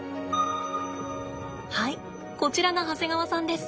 はいこちらが長谷川さんです。